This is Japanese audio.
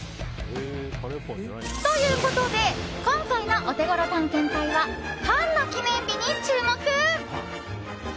ということで今回のオテゴロ探検隊はパンの記念日に注目。